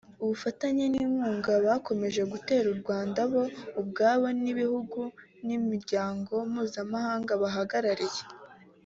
ubufatanye n’inkugga bakomeje gutera u Rwanda bo ubwabo n’ibihugu n’Imiryango Mpuzamahanga bahagararariye